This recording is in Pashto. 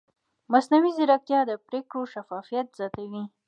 مصنوعي ځیرکتیا د پرېکړو شفافیت زیاتوي.